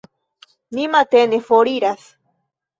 Ni matene foriras.